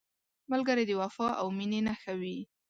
ملګری د وفا او مینې نښه وي